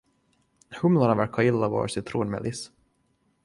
Humlorna verkar gilla vår citronmeliss.